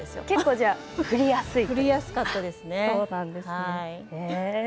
結構、振りやすかったですね。